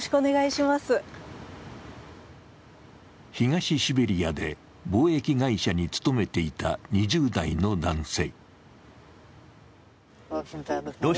東シベリアで貿易会社に勤めていた２０代の男性。